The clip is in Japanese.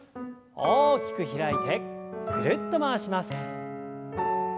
大きく開いてぐるっと回します。